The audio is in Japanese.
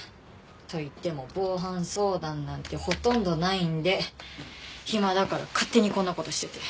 といっても防犯相談なんてほとんどないんで暇だから勝手にこんな事してて。